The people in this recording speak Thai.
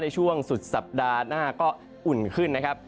ในช่วงสุดสัปดาห์หน้าก็อุ่นขึ้นนะครับ